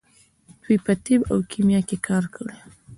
دوی په طب او کیمیا کې کار کړی.